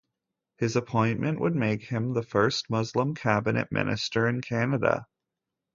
His appointment would make him the first Muslim cabinet minister in Canada.